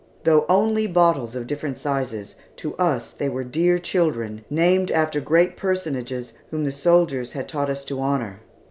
Though only bottles of different sizes, to us they were dear children, named after great personages whom the soldiers had taught us to honor.